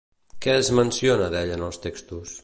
Què es menciona d'ell en els textos?